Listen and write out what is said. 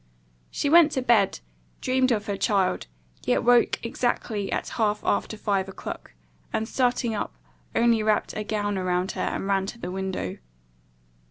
She went to bed, dreamed of her child, yet woke exactly at half after five o'clock, and starting up, only wrapped a gown around her, and ran to the window.